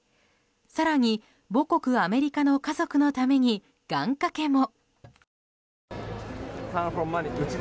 更に、母国アメリカの家族のために、願掛けも。